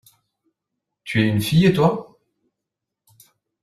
Tu es une fille, toi ?